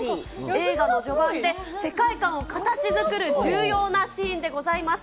映画の序盤で世界観を形作る重要なシーンでございます。